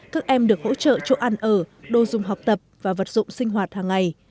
các em được hỗ trợ chỗ ăn ở đô dung học tập và vật dụng sinh hoạt hàng ngày